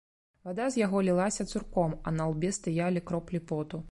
Вада з яго лілася цурком, а на лбе стаялі кроплі поту.